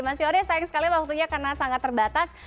mas yoris sayang sekali waktunya karena sangat terbatas